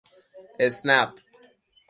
اسنپ